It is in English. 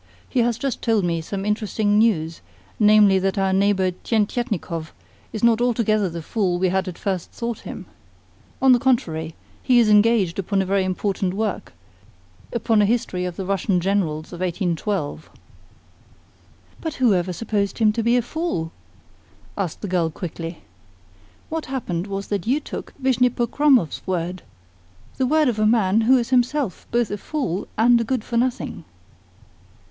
"He has just told me some interesting news namely, that our neighbour Tientietnikov is not altogether the fool we had at first thought him. On the contrary, he is engaged upon a very important work upon a history of the Russian Generals of 1812." "But who ever supposed him to be a fool?" asked the girl quickly. "What happened was that you took Vishnepokromov's word the word of a man who is himself both a fool and a good for nothing."